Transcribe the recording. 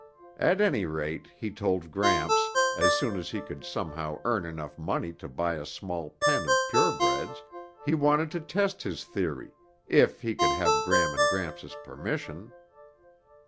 At any rate, he told Gramps, as soon as he could somehow earn enough money to buy a small pen of purebreds, he wanted to test his theory, if he could have Gram and Gramps' permission.